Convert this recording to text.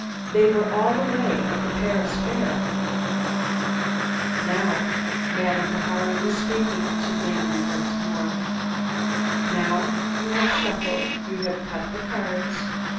They were all away at the Paris Fair." "Now—" Madame was speaking once more to Danby. "Now you have shuffled, you have cut the cards.